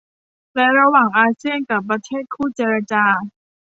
และระหว่างอาเซียนกับประเทศคู่เจรจา